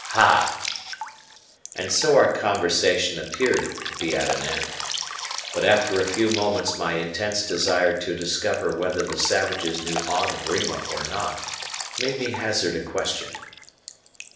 "Ah!" And so our conversation appeared to be at an end. But after a few moments my intense desire to discover whether the savages knew aught of Rima or not made me hazard a question.